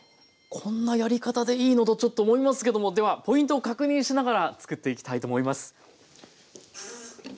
こんなやり方でいいのとちょっと思いますけどもではポイントを確認しながらつくっていきたいと思います。